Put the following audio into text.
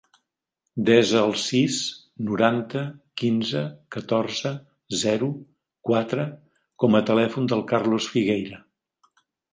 Desa el sis, noranta, quinze, catorze, zero, quatre com a telèfon del Carlos Figueira.